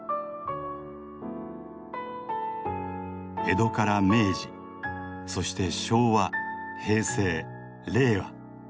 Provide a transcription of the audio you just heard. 江戸から明治そして昭和平成令和。